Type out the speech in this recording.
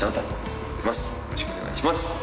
よろしくお願いします